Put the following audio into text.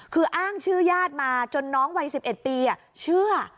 คืออ้างชื่อญาติมาจนน้องวัย๑๑ปีเชื่อ